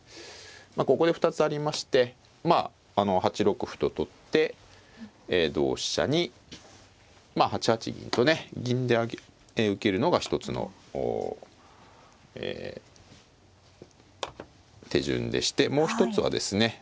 ここで２つありましてまあ８六歩と取って同飛車にまあ８八銀とね銀で受けるのが一つの手順でしてもう一つはですね